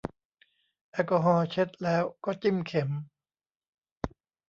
แอลกอฮอล์เช็ดแล้วก็จิ้มเข็ม